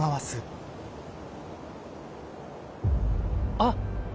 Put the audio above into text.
あっ！